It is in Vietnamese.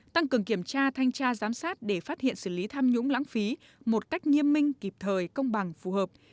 tăng cường kiểm tra thanh tra giám sát để phát hiện xử lý tham nhũng lãng phí một cách nghiêm minh kịp thời công bằng phù hợp